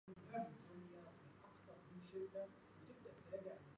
The latter is generally circumscribed from the north to more southern latitudes.